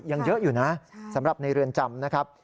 ยังเยอะอยู่นะสำหรับในเรือนจำนะครับ